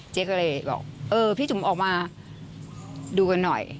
เจ๊ก็เลยบอกเออพี่จุ๋มออกมาดูกันหน่อย